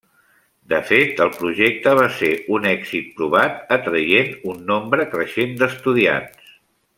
De fet, el projecte va ser un èxit provat, atraient un nombre creixent d'estudiants.